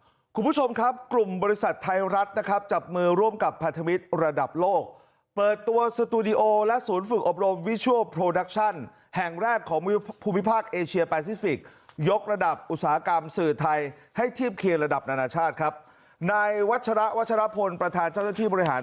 ครับคุณผู้ชมครับกลุ่มบริษัทไทยรัฐนะครับจับมือร่วมกับพันธมิตรระดับโลกเปิดตัวสตูดิโอและศูนย์ฝึกอบรมวิชัวร์โปรดัคชั่นแห่งแรกของภูมิภาคเอเชียแปซิฟิกซ์ยกระดับอุตสาหกรรมสื่อไทยให้เทียบเคลียร์ระดับนานาชาติครับในวัชระวัชระพลประธานเจ้าหน้าที่บริหาร